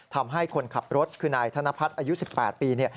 ทำให้คนขับรถคือนายธนพัฒน์อายุ๑๘ปีเนี่ย